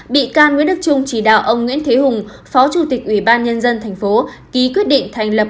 bị can nguyễn đức trung chỉ đạo ông nguyễn thế hùng phó chủ tịch ubnd tp